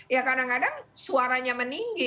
ya kadang kadang suaranya meninggi